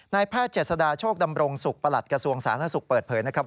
แพทย์เจษฎาโชคดำรงสุขประหลัดกระทรวงสาธารณสุขเปิดเผยนะครับ